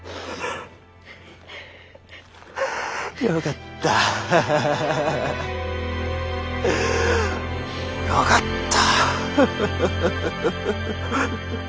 よかったよかった。